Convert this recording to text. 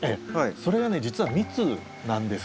それがね実は蜜なんです。